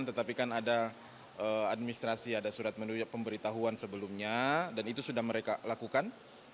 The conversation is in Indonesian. tetapi kan ada administrasi ada surat pemberitahuan sebelumnya dan itu sudah mereka lakukan